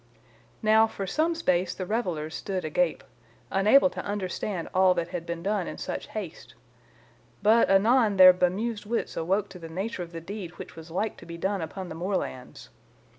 "Now, for some space the revellers stood agape, unable to understand all that had been done in such haste. But anon their bemused wits awoke to the nature of the deed which was like to be done upon the moorlands.